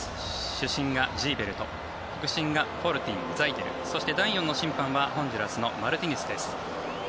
主審がジーベルト副審がフォルティン、ザイデルそして第４の審判はホンジュラスのマルティネスです。